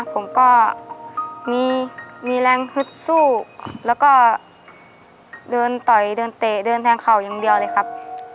ผมก็มีแรงฮึดสู้แล้วก็เดินต่อยเดินเตะเดินแทงเข่าอย่างเดียวเลยครับ